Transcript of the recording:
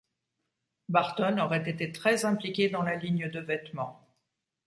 Barton aurait été très impliquée dans la ligne de vêtements.